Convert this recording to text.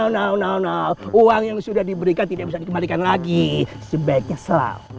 nah nah uang yang sudah diberikan tidak bisa dikembalikan lagi sebaiknya selau